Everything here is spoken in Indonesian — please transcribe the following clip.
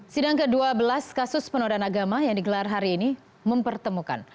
sidang ke dua belas kasus penodaan agama yang digelar hari ini mempertemukan